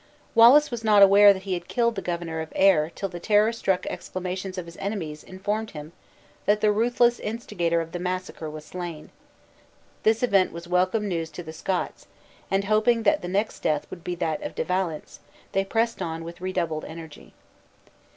Wallace was not aware that he had killed the Governor of Ayr till the terror struck exclamations of his enemies informed him that the ruthless instigator of the massacre was slain. This event was welcome news to the Scots; and hoping that the next death would be that of De Valence, they pressed on with redoubled energy.